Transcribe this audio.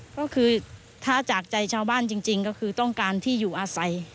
ก็คือถ้าจากใจชาวบ้านจริงก็คือต้องการที่อยู่อาศัย